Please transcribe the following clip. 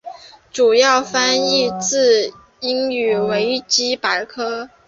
主要翻译自英文维基百科。